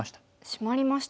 シマりましたね。